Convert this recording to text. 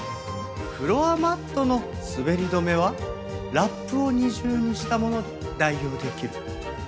フロアマットの滑り止めはラップを２重にしたもので代用できる。